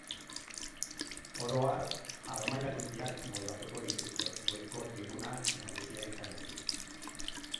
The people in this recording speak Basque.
Orohar harmaila guztiak moldatuko dituzte, goiko tribuna nagusia izan ezik.